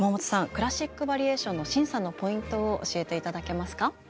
クラシック・バリエーションの審査のポイントを教えて頂けますか？